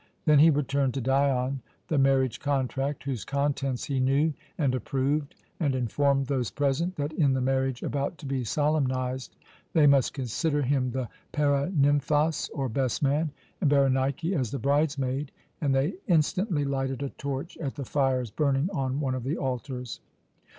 Then he returned to Dion the marriage contract, whose contents he knew and approved, and informed those present that, in the marriage about to be solemnized, they must consider him the paranymphos, or best man, and Berenike as the bridesmaid, and they instantly lighted a torch at the fires burning on one of the altars.